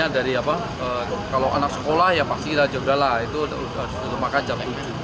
dari kalau anak sekolah ya pasti kita jadilah itu sudah selama kan jam tujuh